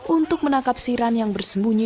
untuk menangkap siran yang bersembunyi